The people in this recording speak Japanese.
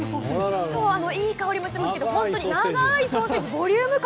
いい香りもしていますが長いソーセージでボリューム感